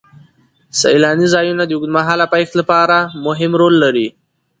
سیلاني ځایونه د اوږدمهاله پایښت لپاره مهم رول لري.